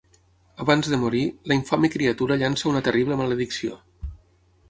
Abans de morir, la infame criatura llança una terrible maledicció.